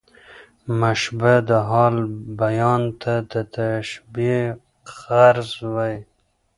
د مشبه د حال بیان ته د تشبېه غرض وايي.